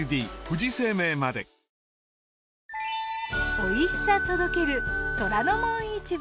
おいしさ届ける『虎ノ門市場』。